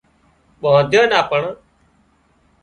ٻانڌو نا پڻ